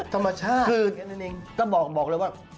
ธรรมชาติแก๊งหนึ่งคือก็บอกเลยว่า